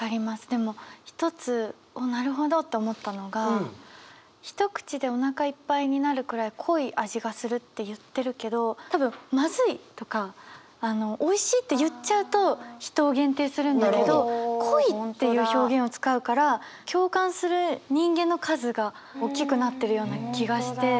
でも一つおっなるほどと思ったのが「一口でお腹いっぱいになるくらい濃い味がする」って言ってるけど多分「まずい」とか「おいしい」って言っちゃうと人を限定するんだけど「濃い」っていう表現を使うから共感する人間の数がおっきくなってるような気がして。